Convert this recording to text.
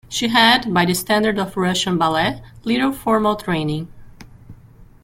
She had, by the standard of Russian ballet, little formal training.